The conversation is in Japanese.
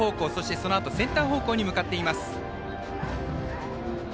そのあとセンター方向に向かっています。